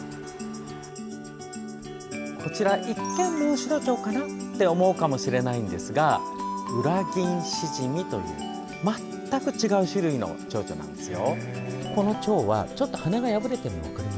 こちら、一見モンシロチョウかな？って思うかもしれないんですがウラギンシジミという全く違う種類のチョウチョなんですよ。